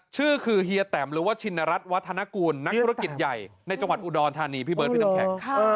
ชื่อคือเฮียแตมหรือว่าชินรัฐวัฒนกูลนักธุรกิจใหญ่ในจังหวัดอุดรธานีพี่เบิร์ดพี่น้ำแข็ง